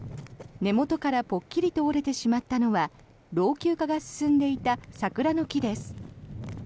根元からぽっきりと折れてしまったのは老朽化が進んでいた桜の木です。